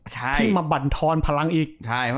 ที่มาบรรทอนพลังอีก